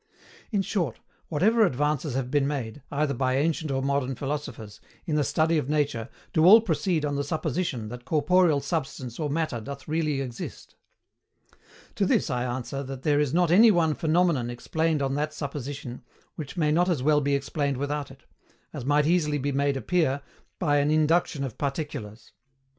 In short, whatever advances have been made, either by ancient or modern philosophers, in the study of nature do all proceed on the supposition that corporeal substance or Matter doth really exist. To this I ANSWER that there is not any one PHENOMENON explained on that supposition which may not as well be explained without it, as might easily be made appear by an INDUCTION OF PARTICULARS.